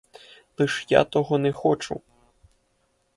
Лиш я того не хочу.